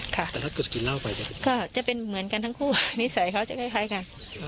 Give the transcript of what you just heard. ก็จะเป็นเหมือนกันทั้งคู่นิสัยเขาจะคล้ายกัน